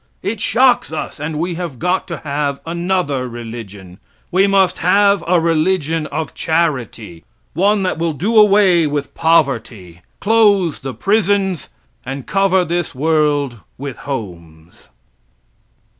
It shocks us and we have got to have another religion. We must have a religion of charity; one that will do away with poverty, close the prisons and cover this world with homes.